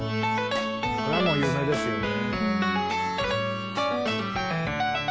これはもう有名ですよね。